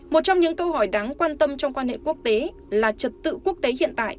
một trong những câu hỏi đáng quan tâm trong quan hệ quốc tế là trật tự quốc tế hiện tại